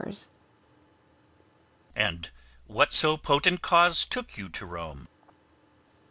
MELIBOEUS And what so potent cause took you to Rome?